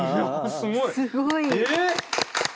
すごい！